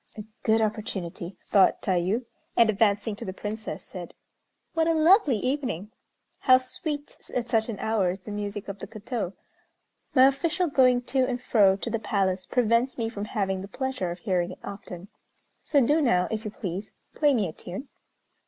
"A good opportunity," thought Tayû; and, advancing to the Princess, said: "What a lovely evening! How sweet at such an hour is the music of the koto! My official going to and fro to the palace prevents me from having the pleasure of hearing it often; so do now, if you please, play me a tune."